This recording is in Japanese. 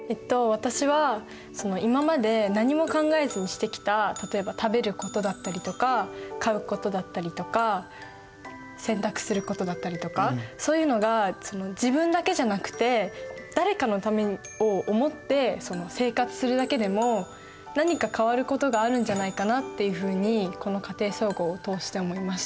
私は今まで何も考えずにしてきた例えば食べることだったりとか買うことだったりとか洗濯することだったりとかそういうのが自分だけじゃなくて誰かのためを思って生活するだけでも何か変わることがあるんじゃないかなっていうふうにこの「家庭総合」を通して思いました。